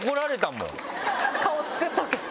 「顔作っとけ」って？